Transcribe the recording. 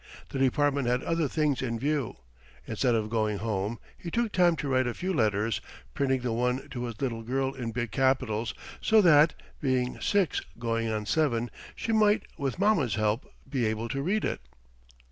The department had other things in view. Instead of going home, he took time to write a few letters, printing the one to his little girl in big capitals, so that being six going on seven she might, with mama's help, be able to read it.